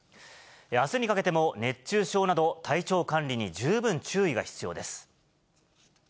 あすにかけても熱中症など、体調管理に十分注意が必要です。